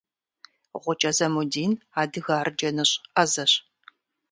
Гъукӏэ Замудин адыгэ арджэныщӏ ӏэзэщ.